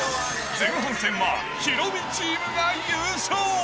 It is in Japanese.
前半戦はヒロミチームが優勝。